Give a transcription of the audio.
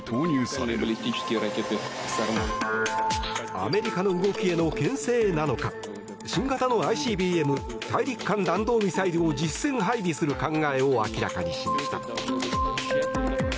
アメリカの動きへのけん制なのか新型のＩＣＢＭ・大陸間弾道ミサイルを実戦配備する考えを明らかにしました。